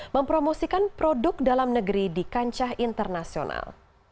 mempromosikan produk dalam negeri di kancah internasional